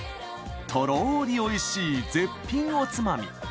とろりおいしい絶品おつまみ。